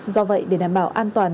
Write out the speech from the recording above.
do vậy để đảm bảo an toàn